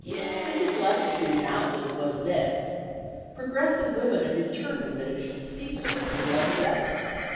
This is less true now than it was then. Progressive women are determined that it shall cease to be true altogether.